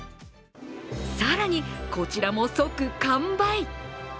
更に、こちらも即完売。